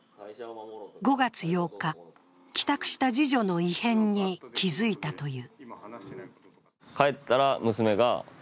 ５月８日、帰宅した次女の異変に気付いたという。